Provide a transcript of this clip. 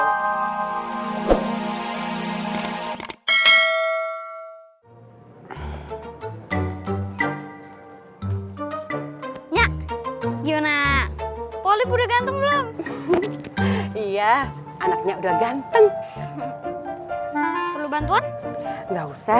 enak yuna polip udah ganteng belum iya anaknya udah ganteng perlu bantuan enggak usah